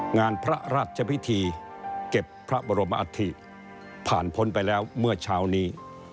งานพระราชพิธีเก็บพระบรมอัฐิผ่านพ้นไปแล้วเมื่อเช้านี้